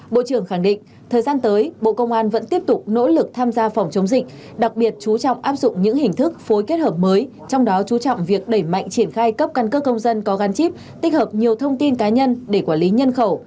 bộ trưởng khẳng định thời gian tới bộ công an vẫn tiếp tục nỗ lực tham gia phòng chống dịch đặc biệt chú trọng áp dụng những hình thức phối kết hợp mới trong đó chú trọng việc đẩy mạnh triển khai cấp căn cước công dân có gắn chip tích hợp nhiều thông tin cá nhân để quản lý nhân khẩu